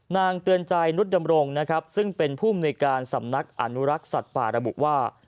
นางเตือนใจนุฏดำรงซึ่งเป็นผู้มูลในการสำนักอนุรักษ์สัตว์ป่าระบุว่า